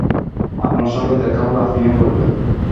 আপনার সঙ্গে দেখা হলে আপনিও বলবেন।